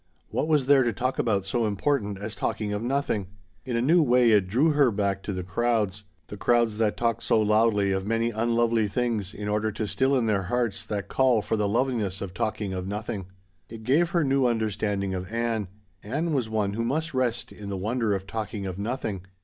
What was there to talk about so important as talking of nothing? In a new way it drew her back to the crowds; the crowds that talked so loudly of many unlovely things in order to still in their hearts that call for the loveliness of talking of nothing. It gave her new understanding of Ann. Ann was one who must rest in the wonder of talking of nothing.